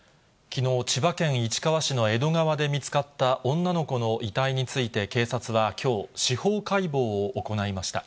きのう、千葉県市川市の江戸川で見つかった女の子の遺体について警察はきょう、司法解剖を行いました。